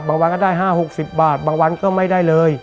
วันก็ได้๕๖๐บาทบางวันก็ไม่ได้เลย